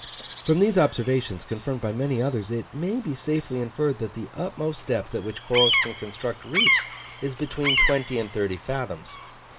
From these observations, confirmed by many others, it may be safely inferred that the utmost depth at which corals can construct reefs is between 20 and 30 fathoms.